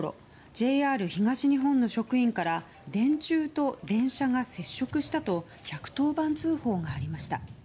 ＪＲ東日本の職員から電柱と電車が接触したと１１０番通報がありました。